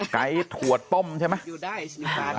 ไก่ถวดป้มใช่ไหม